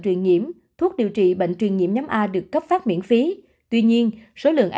truyền nhiễm thuốc điều trị bệnh truyền nhiễm nhóm a được cấp phát miễn phí tuy nhiên số lượng